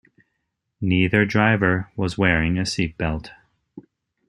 Neither driver was wearing a seatbelt.